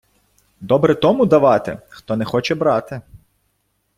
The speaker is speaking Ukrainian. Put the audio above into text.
Добре тому давати, хто не хоче брати.